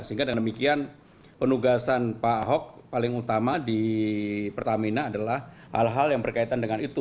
sehingga dengan demikian penugasan pak ahok paling utama di pertamina adalah hal hal yang berkaitan dengan itu